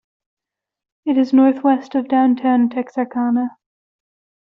It is northwest of downtown Texarkana.